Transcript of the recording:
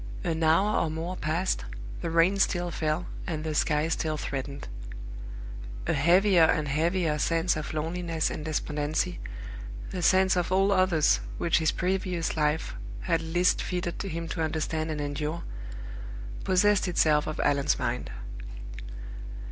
An hour or more passed, the rain still fell, and the sky still threatened. A heavier and heavier sense of loneliness and despondency the sense of all others which his previous life had least fitted him to understand and endure possessed itself of Allan's mind.